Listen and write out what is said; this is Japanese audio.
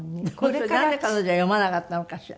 なんで彼女は読まなかったのかしら？